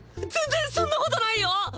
全然そんなことないよ！